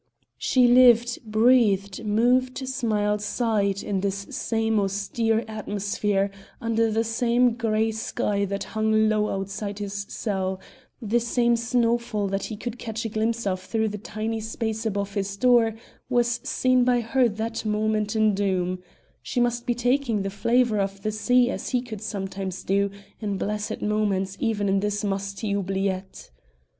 She lived, breathed, moved, smiled, sighed in this same austere atmosphere under the same grey sky that hung low outside his cell; the same snowfall that he could catch a glimpse of through the tiny space above his door was seen by her that moment in Doom; she must be taking the flavour of the sea as he could sometimes do in blessed moments even in this musty oubliette.